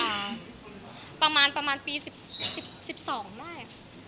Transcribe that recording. อเรนนี่เป็นแฟนกันอีกประมาณปี๑๒ได้